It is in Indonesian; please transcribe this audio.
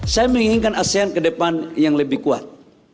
saya menginginkan asean ke depan yang lebih kuat